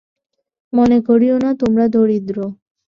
মনে করিও না, তোমরা দরিদ্র।